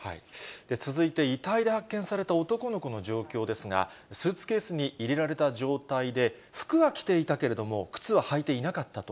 続いて遺体で発見された男の子の状況ですが、スーツケースに入れられた状態で服は着ていたけれども、靴は履いていなかったと。